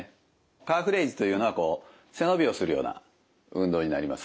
カーフレイズというのはこう背伸びをするような運動になります。